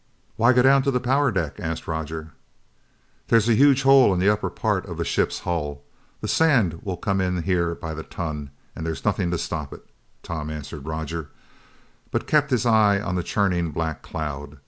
"Why go down to the power deck?" asked Roger. "There's a huge hole in the upper part of the ship's hull. That sand will come in here by the ton and there's nothing to stop it," Tom answered Roger, but kept his eyes on the churning black cloud.